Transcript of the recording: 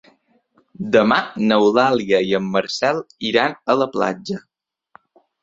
Demà n'Eulàlia i en Marcel iran a la platja.